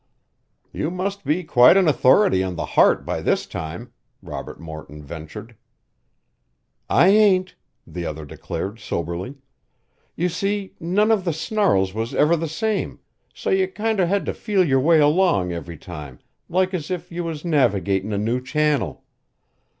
"You must be quite an authority on the heart by this time," Robert Morton ventured. "I ain't," the other declared soberly. "You see, none of the snarls was ever the same, so you kinder had to feel your way along every time like as if you was navigatin' a new channel.